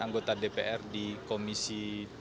anggota dpr di komisi tiga